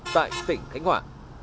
tại tỉnh khánh hòa